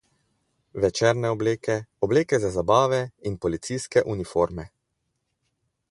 Večerne obleke, obleke za zabave in policijske uniforme.